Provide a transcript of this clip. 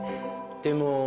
でも。